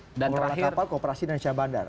pengelola kapal kooperasi kemudian siah bandar